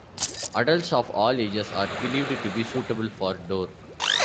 Adults of all ages are believed to be suitable for Dore.